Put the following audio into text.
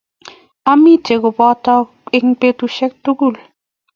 Amite kopotok eng petusiek tugul